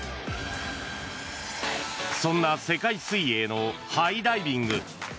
そんな世界水泳のハイダイビング。